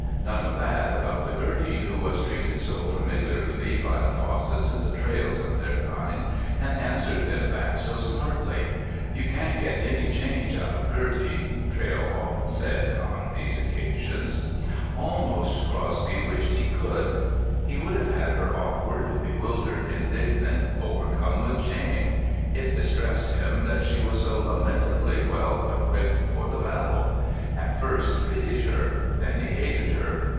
None of that about the Gertie who was treated so familiarly by the Fossetts and the Traills and their kind, and answered them back so smartly. "You can't get any change out of Gertie," Traill often said on these occasions. Almost Crosby wished you could. He would have had her awkward, bewildered, indignant, overcome with shame; it distressed him that she was so lamentably well equipped for the battle. At first he pitied her, then he hated her.